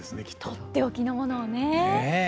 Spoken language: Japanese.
取って置きのものをね。